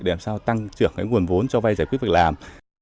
để làm sao tăng trưởng cái nguồn vốn cho vay giải quyết việc làm